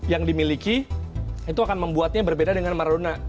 yang dimiliki itu akan membuatnya berbeda dengan maruna